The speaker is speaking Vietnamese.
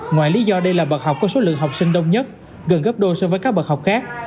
ngoài lý do đây là bậc học có số lượng học sinh đông nhất gần gấp đôi so với các bậc học khác